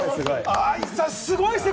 ＡＩさん、すごいですね！